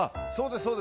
そうです